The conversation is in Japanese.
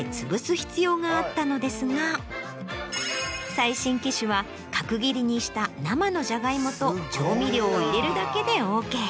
最新機種は角切りにした生のじゃがいもと調味料を入れるだけでＯＫ。